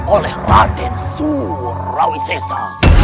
oleh raden surawisesa